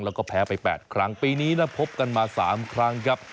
แล้วก็แพ้ไป๘ครั้งปีนี้นะพบกันมา๓ครั้งครับ